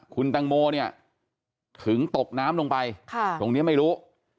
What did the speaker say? คุณตังโมเนี่ยถึงตกน้ำลงไปตรงนี้ไม่รู้